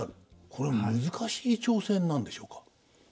これは難しい挑戦なんでしょうか？